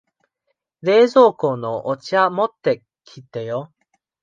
冷蔵庫のお茶持ってきてよ。